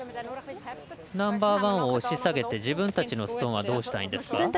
ナンバーワンを押し下げて自分たちのストーンはどうしたいんですか？